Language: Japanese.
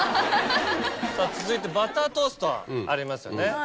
さぁ続いてバタートーストありますよね。